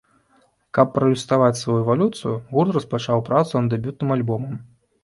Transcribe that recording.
Каб праілюстраваць сваю эвалюцыю, гурт распачаў працу над дэбютным альбомам.